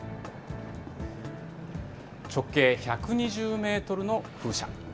直径１２０メートルの風車。